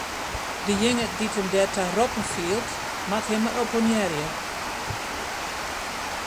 Dejinge dy't him derta roppen fielt, moat him mar oppenearje.